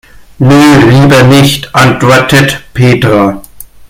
Nö, lieber nicht, antwortet Petra.